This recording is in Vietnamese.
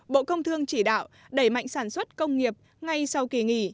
bộ công thương chỉ đạo đẩy mạnh sản xuất công nghiệp ngay sau kỳ nghỉ